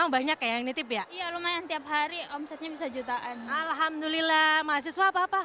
banyak yang nitip ya iya lumayan tiap hari omsetnya bisa jutaan alhamdulillah mahasiswa apa apa